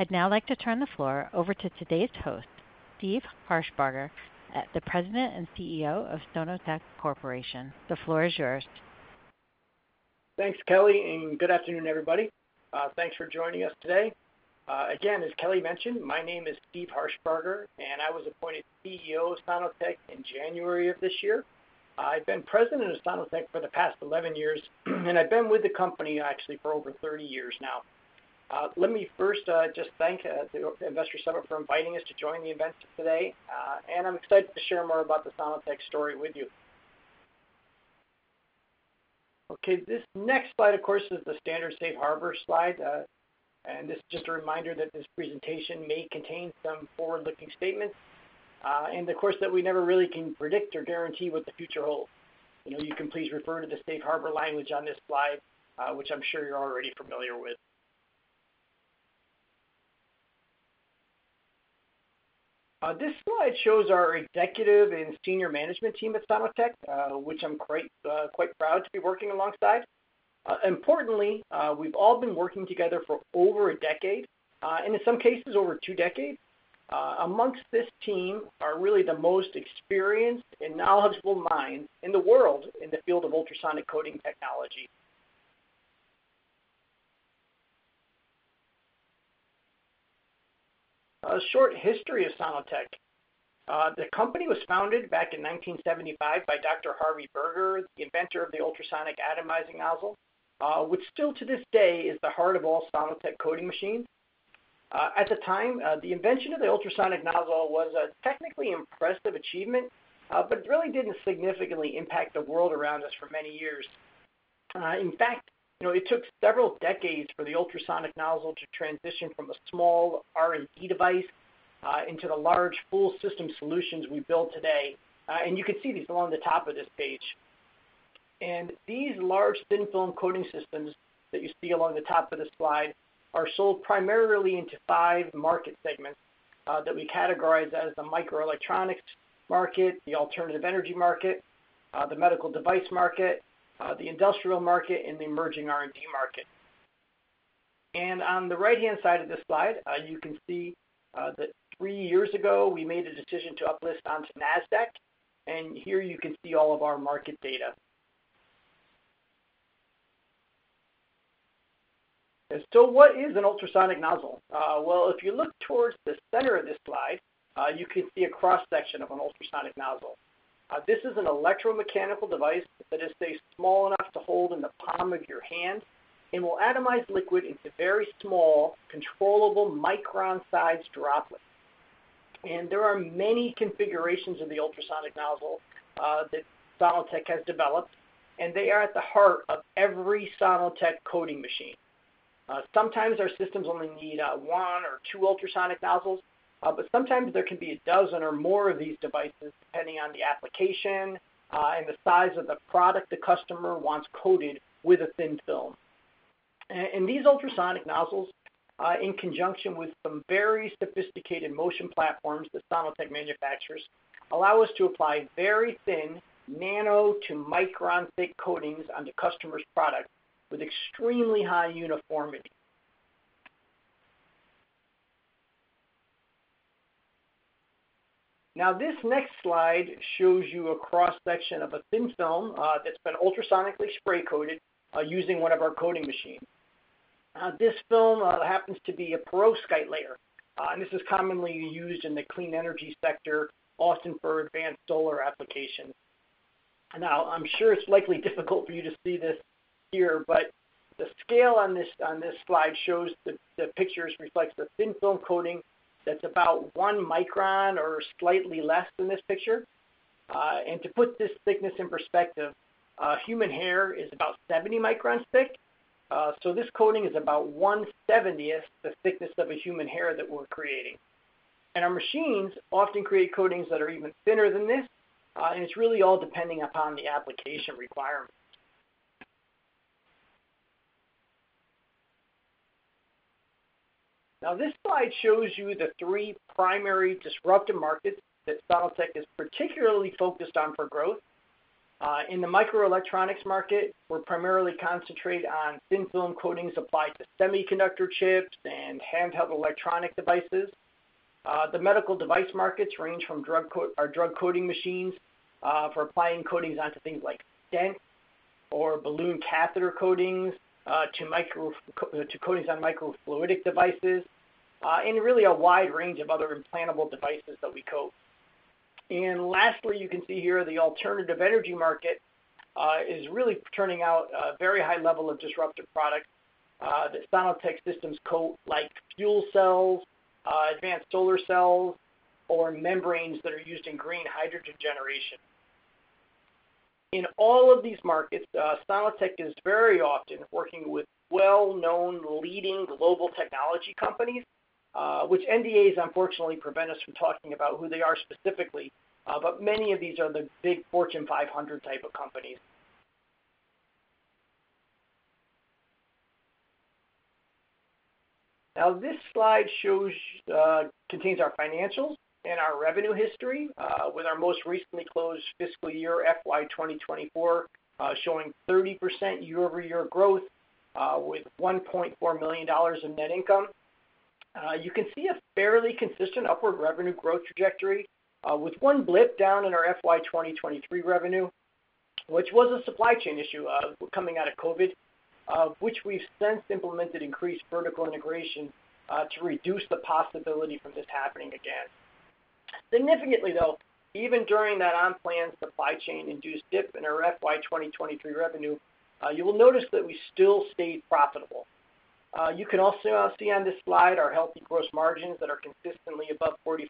I'd now like to turn the floor over to today's host, Steve Harshbarger, the President and CEO of Sono-Tek Corporation. The floor is yours. Thanks, Kelly, and good afternoon, everybody. Thanks for joining us today. Again, as Kelly mentioned, my name is Steve Harshbarger, and I was appointed CEO of Sono-Tek in January of this year. I've been President of Sono-Tek for the past 11 years, and I've been with the company, actually, for over 30 years now. Let me first just thank the Investor Summit for inviting us to join the event today, and I'm excited to share more about the Sono-Tek story with you. Okay, this next slide, of course, is the standard Safe Harbor slide, and this is just a reminder that this presentation may contain some forward-looking statements, and, of course, that we never really can predict or guarantee what the future holds. You can please refer to the Safe Harbor language on this slide, which I'm sure you're already familiar with. This slide shows our executive and senior management team at Sono-Tek, which I'm quite proud to be working alongside. Importantly, we've all been working together for over a decade, and in some cases, over two decades. Amongst this team are really the most experienced and knowledgeable minds in the world in the field of ultrasonic coating technology. A short history of Sono-Tek: the company was founded back in 1975 by Dr. Harvey Berger, the inventor of the ultrasonic atomizing nozzle, which still to this day is the heart of all Sono-Tek coating machines. At the time, the invention of the ultrasonic nozzle was a technically impressive achievement, but it really didn't significantly impact the world around us for many years. In fact, it took several decades for the ultrasonic nozzle to transition from a small R&D device into the large full system solutions we build today, and you can see these along the top of this page. And these large thin-film coating systems that you see along the top of the slide are sold primarily into five market segments that we categorize as the microelectronics market, the alternative energy market, the medical device market, the industrial market, and the emerging R&D market. And on the right-hand side of this slide, you can see that three years ago we made a decision to uplist onto NASDAQ, and here you can see all of our market data. And so what is an ultrasonic nozzle? Well, if you look towards the center of this slide, you can see a cross-section of an ultrasonic nozzle. This is an electromechanical device that is small enough to hold in the palm of your hand and will atomize liquid into very small, controllable micron-sized droplets. And there are many configurations of the ultrasonic nozzle that Sono-Tek has developed, and they are at the heart of every Sono-Tek coating machine. Sometimes our systems only need one or two ultrasonic nozzles, but sometimes there can be a dozen or more of these devices depending on the application and the size of the product the customer wants coated with a thin film. And these ultrasonic nozzles, in conjunction with some very sophisticated motion platforms that Sono-Tek manufactures, allow us to apply very thin nano to micron-thick coatings onto customers' products with extremely high uniformity. Now, this next slide shows you a cross-section of a thin film that's been ultrasonically spray-coated using one of our coating machines. This film happens to be a perovskite layer, and this is commonly used in the clean energy sector, often for advanced solar applications. Now, I'm sure it's likely difficult for you to see this here, but the scale on this slide shows the pictures reflects a thin-film coating that's about one micron or slightly less than this picture, and to put this thickness in perspective, human hair is about 70 microns thick, so this coating is about one seventieth the thickness of a human hair that we're creating, and our machines often create coatings that are even thinner than this, and it's really all depending upon the application requirements. Now, this slide shows you the three primary disruptive markets that Sono-Tek is particularly focused on for growth. In the microelectronics market, we're primarily concentrated on thin-film coatings applied to semiconductor chips and handheld electronic devices. The medical device markets range from drug coating machines for applying coatings onto things like stents or balloon catheter coatings to coatings on microfluidic devices, and really a wide range of other implantable devices that we coat, and lastly, you can see here the alternative energy market is really turning out a very high level of disruptive products that Sono-Tek systems coat, like fuel cells, advanced solar cells, or membranes that are used in green hydrogen generation. In all of these markets, Sono-Tek is very often working with well-known, leading global technology companies, which NDAs unfortunately prevent us from talking about who they are specifically, but many of these are the big Fortune 500 type of companies. Now, this slide contains our financials and our revenue history, with our most recently closed fiscal year, FY 2024, showing 30% year-over-year growth with $1.4 million in net income. You can see a fairly consistent upward revenue growth trajectory, with one blip down in our FY 2023 revenue, which was a supply chain issue coming out of COVID, which we've since implemented increased vertical integration to reduce the possibility of this happening again. Significantly, though, even during that unplanned supply chain-induced dip in our FY 2023 revenue, you will notice that we still stayed profitable. You can also see on this slide our healthy gross margins that are consistently above 45%.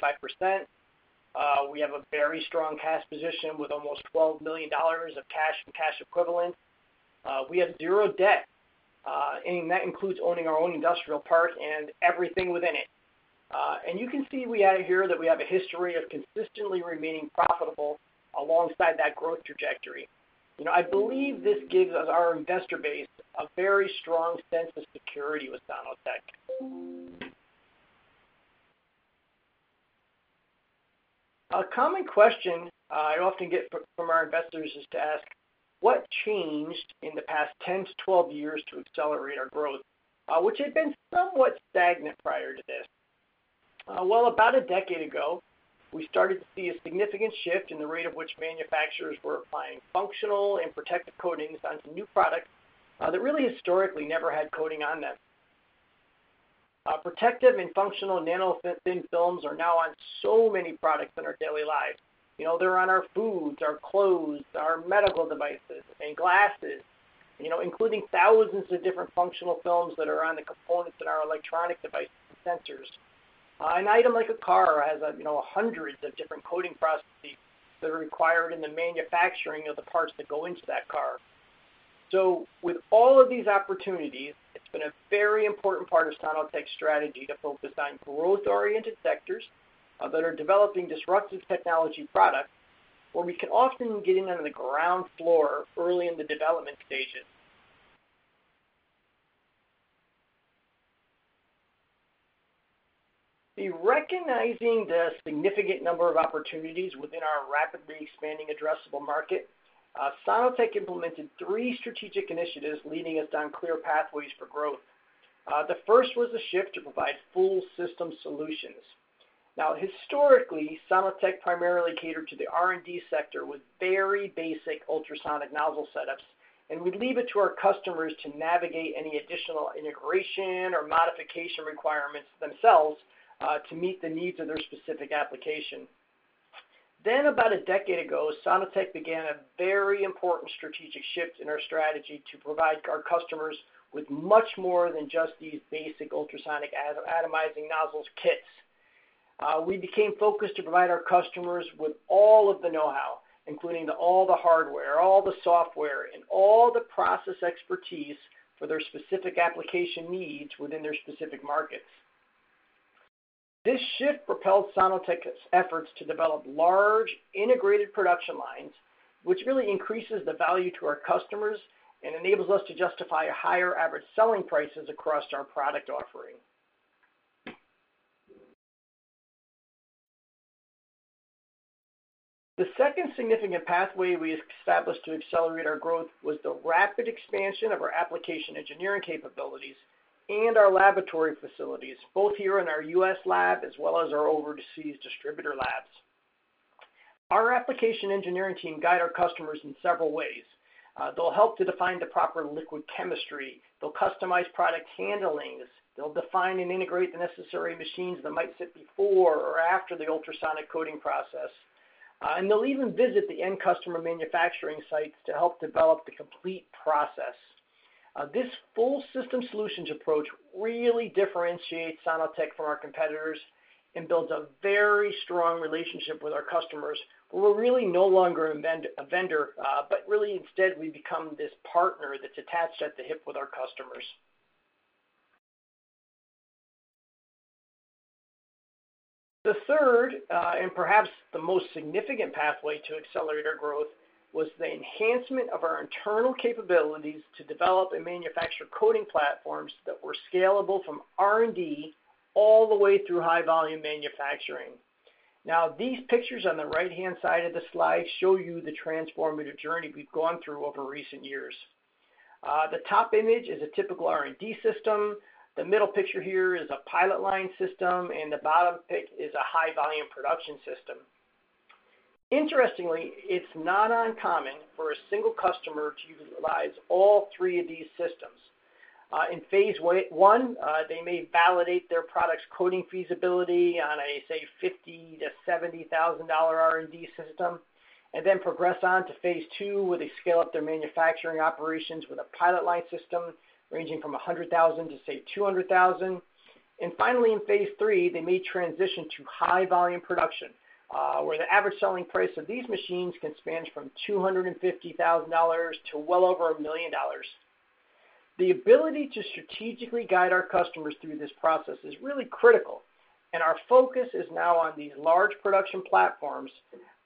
We have a very strong cash position with almost $12 million of cash and cash equivalents. We have zero debt, and that includes owning our own industrial park and everything within it. And you can see we have here that we have a history of consistently remaining profitable alongside that growth trajectory. I believe this gives our investor base a very strong sense of security with Sono-Tek. A common question I often get from our investors is to ask, "What changed in the past 10-12 years to accelerate our growth, which had been somewhat stagnant prior to this?" Well, about a decade ago, we started to see a significant shift in the rate at which manufacturers were applying functional and protective coatings onto new products that really historically never had coating on them. Protective and functional nano-thin films are now on so many products in our daily lives. They're on our foods, our clothes, our medical devices, and glasses, including thousands of different functional films that are on the components in our electronic devices and sensors. An item like a car has hundreds of different coating processes that are required in the manufacturing of the parts that go into that car. So with all of these opportunities, it's been a very important part of Sono-Tek's strategy to focus on growth-oriented sectors that are developing disruptive technology products, where we can often get in on the ground floor early in the development stages. Recognizing the significant number of opportunities within our rapidly expanding addressable market, Sono-Tek implemented three strategic initiatives leading us down clear pathways for growth. The first was a shift to provide full system solutions. Now, historically, Sono-Tek primarily catered to the R&D sector with very basic ultrasonic nozzle setups, and we'd leave it to our customers to navigate any additional integration or modification requirements themselves to meet the needs of their specific application. Then, about a decade ago, Sono-Tek began a very important strategic shift in our strategy to provide our customers with much more than just these basic ultrasonic atomizing nozzles kits. We became focused to provide our customers with all of the know-how, including all the hardware, all the software, and all the process expertise for their specific application needs within their specific markets. This shift propelled Sono-Tek's efforts to develop large, integrated production lines, which really increases the value to our customers and enables us to justify higher average selling prices across our product offering. The second significant pathway we established to accelerate our growth was the rapid expansion of our application engineering capabilities and our laboratory facilities, both here in our U.S. lab as well as our overseas distributor labs. Our application engineering team guides our customers in several ways. They'll help to define the proper liquid chemistry. They'll customize product handlings. They'll define and integrate the necessary machines that might sit before or after the ultrasonic coating process. They'll even visit the end customer manufacturing sites to help develop the complete process. This full system solutions approach really differentiates Sono-Tek from our competitors and builds a very strong relationship with our customers, where we're really no longer a vendor, but really instead we become this partner that's attached at the hip with our customers. The third, and perhaps the most significant pathway to accelerate our growth, was the enhancement of our internal capabilities to develop and manufacture coating platforms that were scalable from R&D all the way through high-volume manufacturing. Now, these pictures on the right-hand side of the slide show you the transformative journey we've gone through over recent years. The top image is a typical R&D system. The middle picture here is a pilot line system, and the bottom pic is a high-volume production system. Interestingly, it's not uncommon for a single customer to utilize all three of these systems. In phase one, they may validate their product's coating feasibility on a, say, $50,000-$70,000 R&D system, and then progress on to phase two where they scale up their manufacturing operations with a pilot line system ranging from $100,000-$200,000. And finally, in phase three, they may transition to high-volume production, where the average selling price of these machines can span from $250,000 to well over $1 million. The ability to strategically guide our customers through this process is really critical, and our focus is now on these large production platforms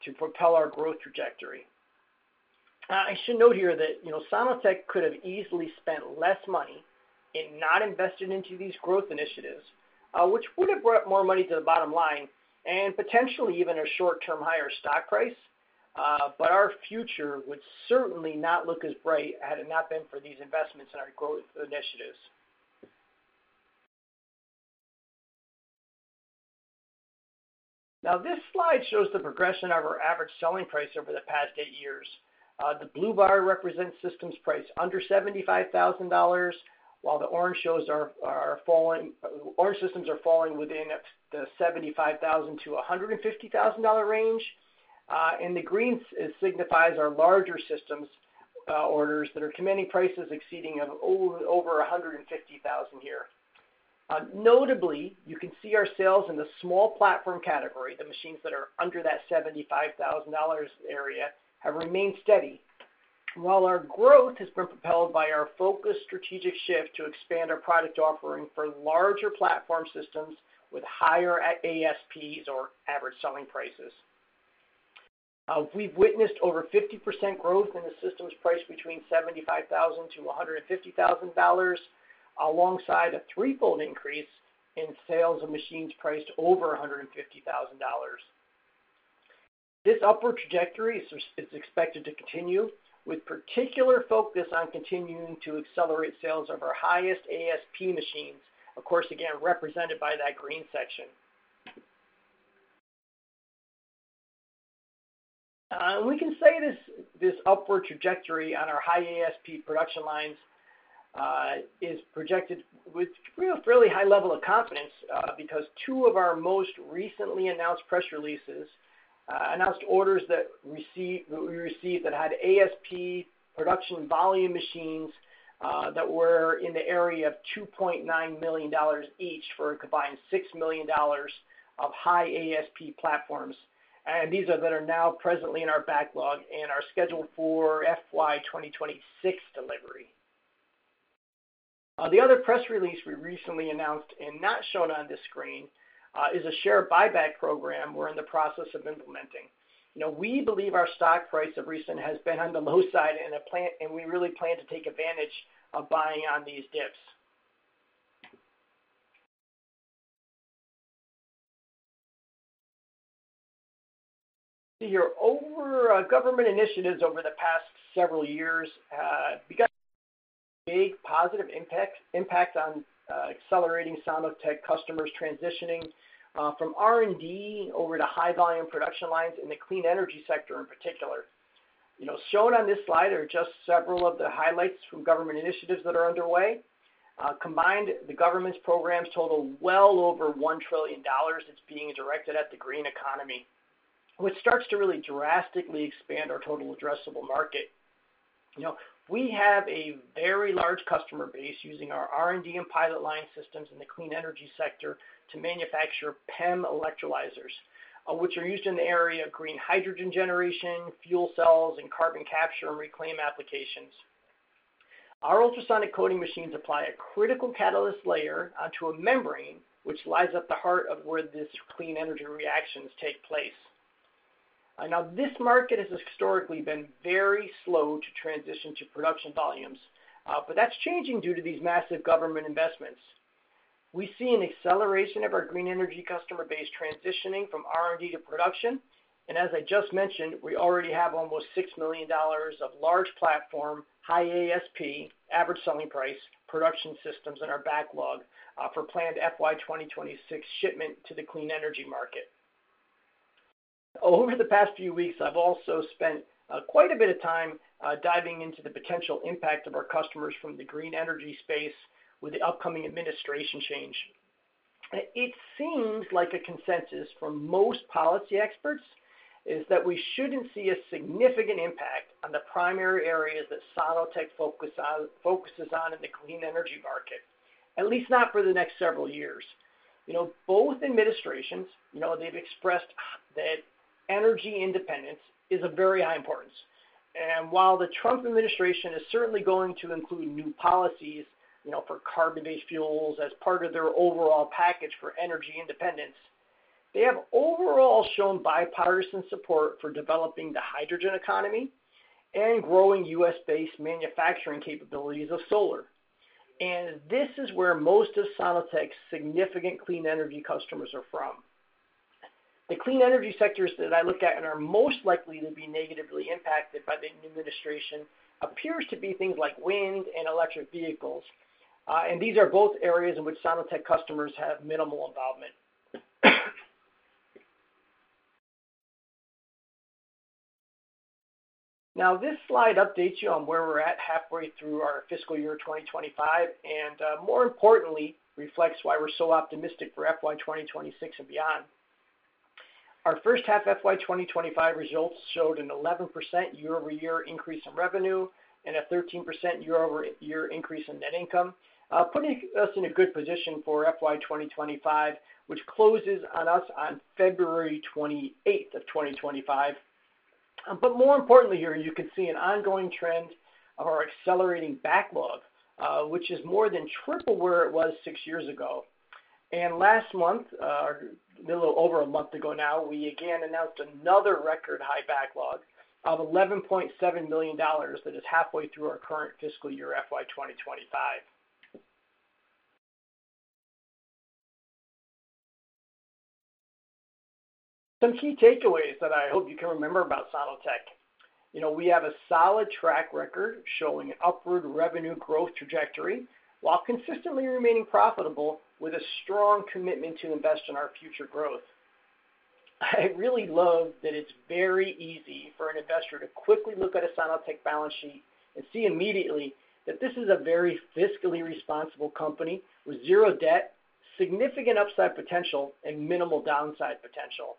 to propel our growth trajectory. I should note here that Sono-Tek could have easily spent less money and not invested into these growth initiatives, which would have brought more money to the bottom line and potentially even a short-term higher stock price, but our future would certainly not look as bright had it not been for these investments in our growth initiatives. Now, this slide shows the progression of our average selling price over the past eight years. The blue bar represents systems priced under $75,000, while the orange systems are falling within the $75,000 to $150,000 range, and the green signifies our larger systems orders that are commanding prices exceeding over $150,000 here. Notably, you can see our sales in the small platform category, the machines that are under that $75,000 area, have remained steady, while our growth has been propelled by our focused strategic shift to expand our product offering for larger platform systems with higher ASPs or average selling prices. We've witnessed over 50% growth in the systems priced between $75,000-$150,000, alongside a threefold increase in sales of machines priced over $150,000. This upward trajectory is expected to continue, with particular focus on continuing to accelerate sales of our highest ASP machines, of course, again, represented by that green section. We can say this upward trajectory on our high ASP production lines is projected with a fairly high level of confidence because two of our most recently announced press releases announced orders that we received that had ASP production volume machines that were in the area of $2.9 million each for a combined $6 million of high ASP platforms, and these that are now presently in our backlog and are scheduled for FY 2026 delivery. The other press release we recently announced and not shown on this screen is a share buyback program we're in the process of implementing. We believe our stock price of recent has been on the low side, and we really plan to take advantage of buying on these dips. Over government initiatives over the past several years, we got a big positive impact on accelerating Sono-Tek customers transitioning from R&D over to high-volume production lines in the clean energy sector in particular. Shown on this slide are just several of the highlights from government initiatives that are underway. Combined, the government's programs total well over $1 trillion that's being directed at the green economy, which starts to really drastically expand our total addressable market. We have a very large customer base using our R&D and pilot line systems in the clean energy sector to manufacture PEM electrolyzers, which are used in the area of green hydrogen generation, fuel cells, and carbon capture and reclaim applications. Our ultrasonic coating machines apply a critical catalyst layer onto a membrane, which lies at the heart of where these clean energy reactions take place. Now, this market has historically been very slow to transition to production volumes, but that's changing due to these massive government investments. We see an acceleration of our green energy customer base transitioning from R&D to production, and as I just mentioned, we already have almost $6 million of large platform, high ASP, average selling price production systems in our backlog for planned FY 2026 shipment to the clean energy market. Over the past few weeks, I've also spent quite a bit of time diving into the potential impact of our customers from the green energy space with the upcoming administration change. It seems like a consensus from most policy experts is that we shouldn't see a significant impact on the primary areas that Sono-Tek focuses on in the clean energy market, at least not for the next several years. Both administrations, they've expressed that energy independence is of very high importance, and while the Trump administration is certainly going to include new policies for carbon-based fuels as part of their overall package for energy independence, they have overall shown bipartisan support for developing the hydrogen economy and growing U.S.-based manufacturing capabilities of solar, and this is where most of Sono-Tek's significant clean energy customers are from. The clean energy sectors that I look at and are most likely to be negatively impacted by the new administration appear to be things like wind and electric vehicles, and these are both areas in which Sono-Tek customers have minimal involvement. Now, this slide updates you on where we're at halfway through our fiscal year 2025 and, more importantly, reflects why we're so optimistic for FY 2026 and beyond. Our first half FY 2025 results showed an 11% year-over-year increase in revenue and a 13% year-over-year increase in net income, putting us in a good position for FY 2025, which closes on us on February 28th of 2025, but more importantly here, you can see an ongoing trend of our accelerating backlog, which is more than triple where it was six years ago, and last month, a little over a month ago now, we again announced another record high backlog of $11.7 million that is halfway through our current fiscal year FY 2025. Some key takeaways that I hope you can remember about Sono-Tek. We have a solid track record showing an upward revenue growth trajectory while consistently remaining profitable with a strong commitment to invest in our future growth. I really love that it's very easy for an investor to quickly look at a Sono-Tek balance sheet and see immediately that this is a very fiscally responsible company with zero debt, significant upside potential, and minimal downside potential.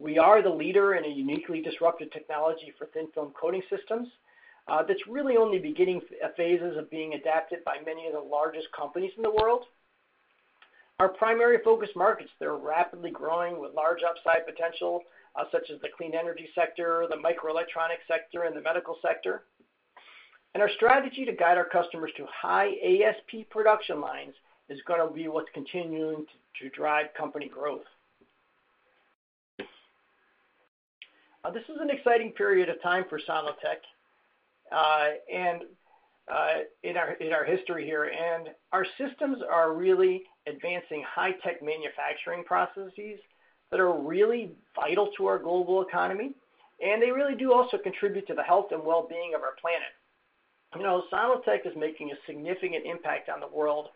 We are the leader in a uniquely disruptive technology for thin film coating systems that's really only beginning phases of being adapted by many of the largest companies in the world. Our primary focus markets that are rapidly growing with large upside potential, such as the clean energy sector, the microelectronics sector, and the medical sector. And our strategy to guide our customers to high ASP production lines is going to be what's continuing to drive company growth. This is an exciting period of time for Sono-Tek in our history here, and our systems are really advancing high-tech manufacturing processes that are really vital to our global economy, and they really do also contribute to the health and well-being of our planet. Sono-Tek is making a significant impact on the world,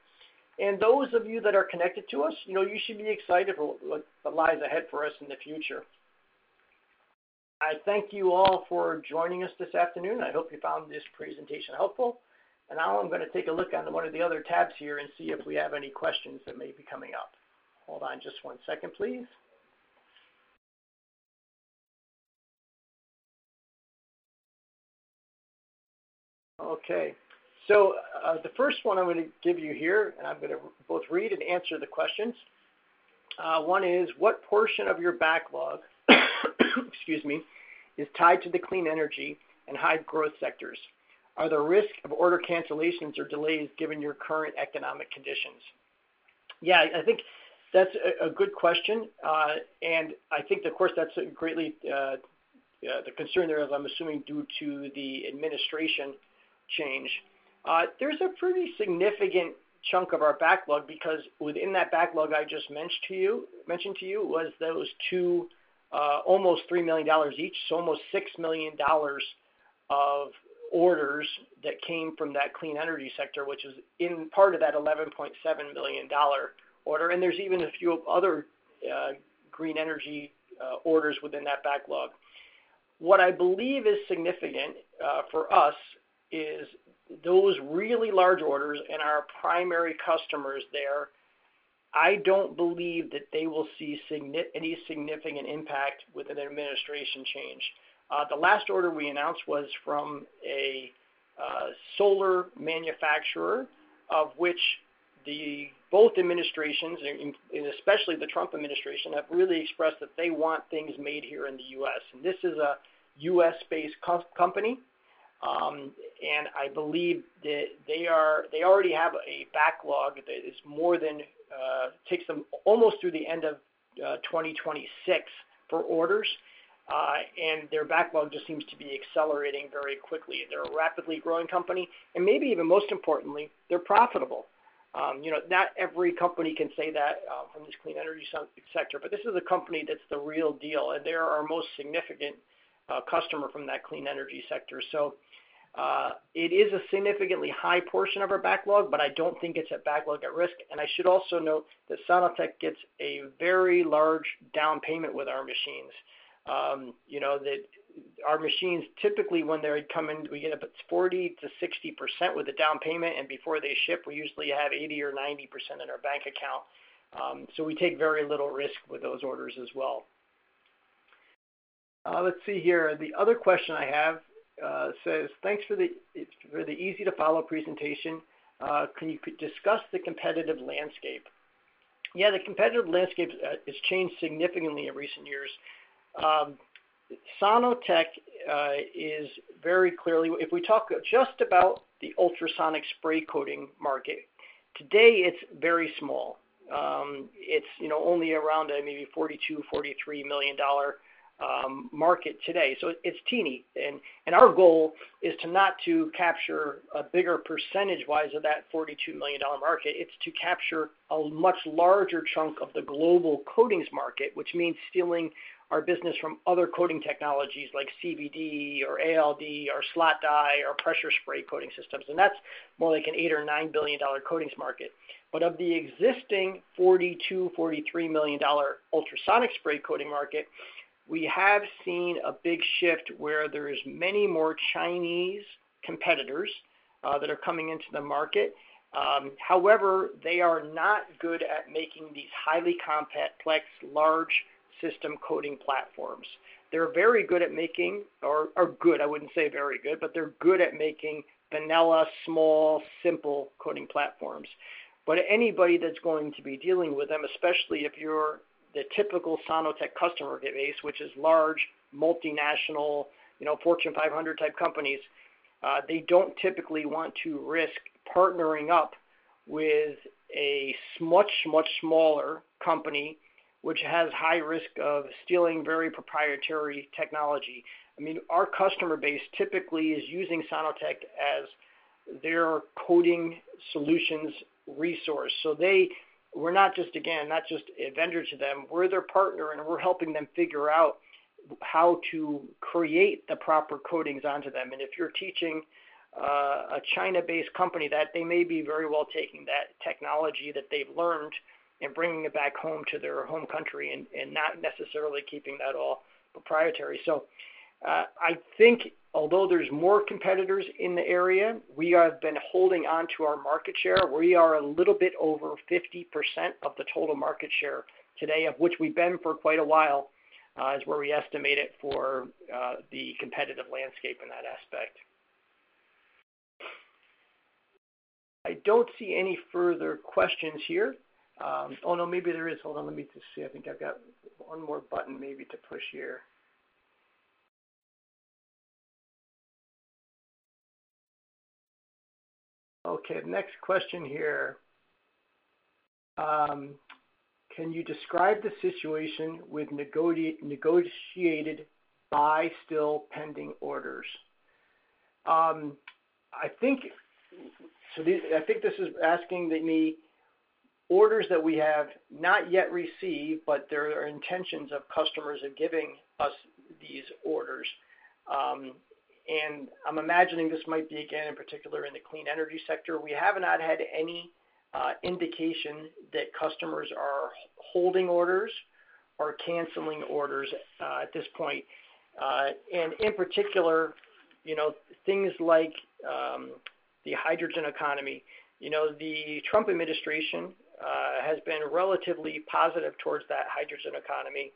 and those of you that are connected to us, you should be excited for what lies ahead for us in the future. I thank you all for joining us this afternoon. I hope you found this presentation helpful, and now I'm going to take a look on one of the other tabs here and see if we have any questions that may be coming up. Hold on just one second, please. Okay. So the first one I'm going to give you here, and I'm going to both read and answer the questions. One is, what portion of your backlog, excuse me, is tied to the clean energy and high-growth sectors? Are there risks of order cancellations or delays given your current economic conditions? Yeah, I think that's a good question, and I think, of course, that's greatly the concern there, as I'm assuming, due to the administration change. There's a pretty significant chunk of our backlog because within that backlog I just mentioned to you was those two almost $3 million each, so almost $6 million of orders that came from that clean energy sector, which is in part of that $11.7 million order, and there's even a few other green energy orders within that backlog. What I believe is significant for us is those really large orders and our primary customers there, I don't believe that they will see any significant impact with an administration change. The last order we announced was from a solar manufacturer, of which both administrations, and especially the Trump administration, have really expressed that they want things made here in the U.S., and this is a U.S. based company, and I believe that they already have a backlog that takes them almost through the end of 2026 for orders, and their backlog just seems to be accelerating very quickly. They're a rapidly growing company, and maybe even most importantly, they're profitable. Not every company can say that from this clean energy sector, but this is a company that's the real deal, and they are our most significant customer from that clean energy sector, so it is a significantly high portion of our backlog, but I don't think it's a backlog at risk, and I should also note that Sono-Tek gets a very large down payment with our machines. Our machines, typically when they come in, we get up to 40%-60% with the down payment, and before they ship, we usually have 80% or 90% in our bank account. So we take very little risk with those orders as well. Let's see here. The other question I have says, "Thanks for the easy-to-follow presentation. Can you discuss the competitive landscape?" Yeah, the competitive landscape has changed significantly in recent years. Sono-Tek is very clearly, if we talk just about the ultrasonic spray coating market, today it's very small. It's only around maybe $42-$43 million market today. So it's teeny, and our goal is not to capture a bigger percentage-wise of that $42 million market. It's to capture a much larger chunk of the global coatings market, which means stealing our business from other coating technologies like CVD or ALD or slot die or pressure spray coating systems. And that's more like a $8-$9 billion coatings market. But of the existing $42-$43 million ultrasonic spray coating market, we have seen a big shift where there are many more Chinese competitors that are coming into the market. However, they are not good at making these highly complex, large system coating platforms. They're very good at making, or good, I wouldn't say very good, but they're good at making vanilla, small, simple coating platforms. But anybody that's going to be dealing with them, especially if you're the typical Sono-Tek customer base, which is large, multinational, Fortune 500-type companies, they don't typically want to risk partnering up with a much, much smaller company, which has high risk of stealing very proprietary technology. I mean, our customer base typically is using Sono-Tek as their coating solutions resource. So we're not just, again, not just a vendor to them. We're their partner, and we're helping them figure out how to create the proper coatings onto them. And if you're teaching a China-based company, they may be very well taking that technology that they've learned and bringing it back home to their home country and not necessarily keeping that all proprietary. So I think, although there are more competitors in the area, we have been holding on to our market share. We are a little bit over 50% of the total market share today, of which we've been for quite a while, is where we estimate it for the competitive landscape in that aspect. I don't see any further questions here. Oh, no, maybe there is. Hold on. Let me just see. I think I've got one more button maybe to push here. Okay. Next question here. Can you describe the situation with negotiated but still pending orders? So I think this is asking me orders that we have not yet received, but there are intentions of customers of giving us these orders. And I'm imagining this might be, again, in particular in the clean energy sector. We have not had any indication that customers are holding orders or canceling orders at this point. And in particular, things like the hydrogen economy. The Trump administration has been relatively positive towards that hydrogen economy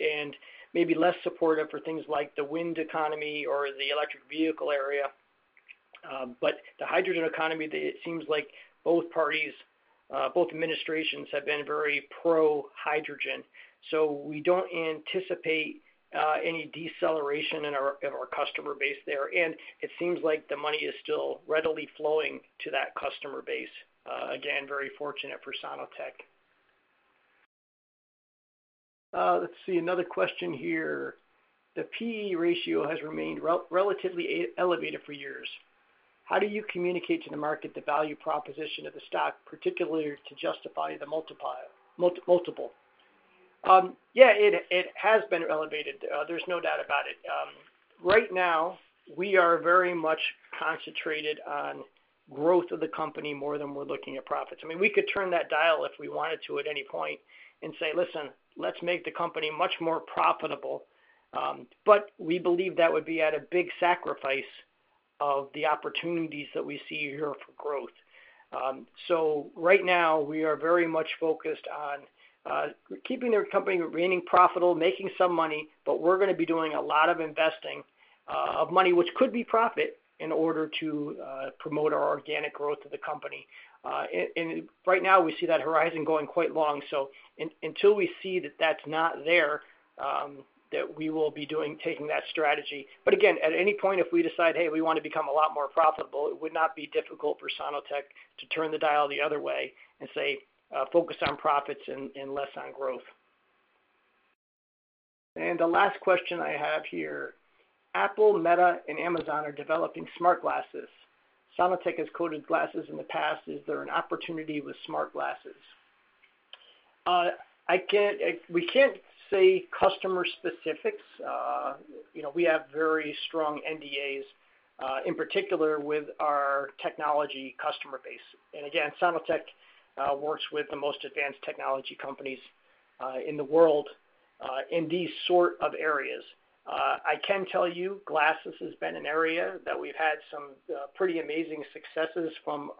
and maybe less supportive for things like the wind economy or the electric vehicle area, but the hydrogen economy, it seems like both parties, both administrations have been very pro-hydrogen, so we don't anticipate any deceleration of our customer base there, and it seems like the money is still readily flowing to that customer base. Again, very fortunate for Sono-Tek. Let's see. Another question here. The P/E ratio has remained relatively elevated for years. How do you communicate to the market the value proposition of the stock, particularly to justify the multiple? Yeah, it has been elevated. There's no doubt about it. Right now, we are very much concentrated on growth of the company more than we're looking at profits. I mean, we could turn that dial if we wanted to at any point and say, "Listen, let's make the company much more profitable." But we believe that would be at a big sacrifice of the opportunities that we see here for growth. So right now, we are very much focused on keeping the company remaining profitable, making some money, but we're going to be doing a lot of investing of money, which could be profit, in order to promote our organic growth of the company. And right now, we see that horizon going quite long. So until we see that that's not there, that we will be taking that strategy. But again, at any point, if we decide, "Hey, we want to become a lot more profitable," it would not be difficult for Sono-Tek to turn the dial the other way and say, "Focus on profits and less on growth." And the last question I have here: Apple, Meta, and Amazon are developing smart glasses. Sono-Tek has coated glasses in the past. Is there an opportunity with smart glasses? We can't say customer specifics. We have very strong NDAs, in particular with our technology customer base. And again, Sono-Tek works with the most advanced technology companies in the world in these sort of areas. I can tell you glasses has been an area that we've had some pretty amazing successes from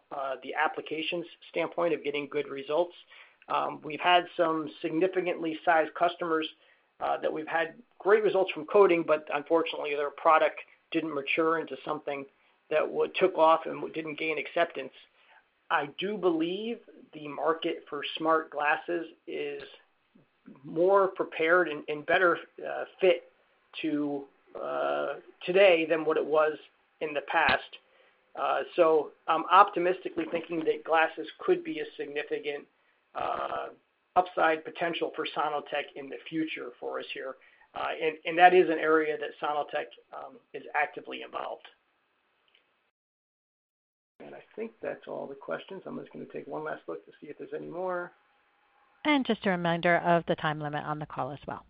the applications standpoint of getting good results. We've had some significantly sized customers that we've had great results from coating, but unfortunately, their product didn't mature into something that took off and didn't gain acceptance. I do believe the market for smart glasses is more prepared and better fit today than what it was in the past. So I'm optimistically thinking that glasses could be a significant upside potential for Sono-Tek in the future for us here. And that is an area that Sono-Tek is actively involved. And I think that's all the questions. I'm just going to take one last look to see if there's any more. And just a reminder of the time limit on the call as well.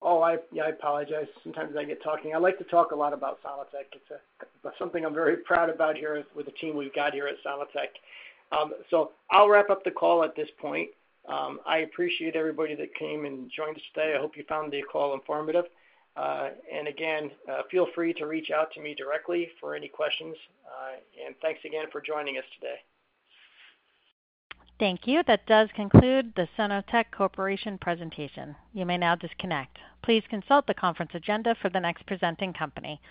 Oh, yeah, I apologize. Sometimes I get talking. I like to talk a lot about Sono-Tek. It's something I'm very proud about here with the team we've got here at Sono-Tek. So I'll wrap up the call at this point. I appreciate everybody that came and joined us today. I hope you found the call informative. And again, feel free to reach out to me directly for any questions. And thanks again for joining us today. Thank you. That does conclude the Sono-Tek Corporation presentation. You may now disconnect. Please consult the conference agenda for the next presenting company.